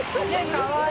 かわいい。